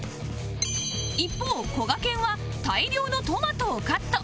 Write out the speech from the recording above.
一方こがけんは大量のトマトをカット